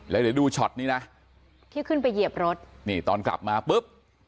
แล้วเดี๋ยวดูช็อตนี้นะที่ขึ้นไปเหยียบรถนี่ตอนกลับมาปุ๊บ